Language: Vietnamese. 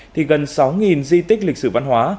thì gần sáu di tích lịch sử văn hóa